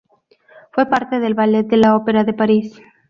Fue parte del Ballet de la Ópera de París.